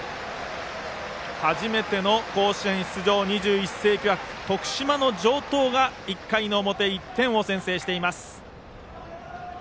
初めての甲子園出場２１世紀枠の徳島の城東が１回の表に１点を先制しています。